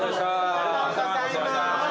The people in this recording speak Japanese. ありがとうございます。